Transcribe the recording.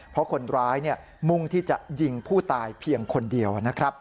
เพราะคนร้ายมุ่งที่จะยิงผู้ตายเพียงคนเดียวนะครับ